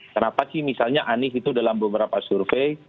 kenapa sih misalnya anies itu dalam beberapa survei